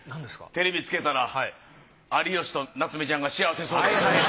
テレビつけたら有吉と夏目ちゃんが幸せそうでした。